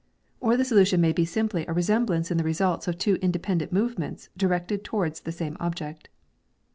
Or the solution may be simply a resemblance in the results of two independent move ments directed towards the same object.